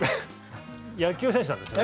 野球選手なんですよね。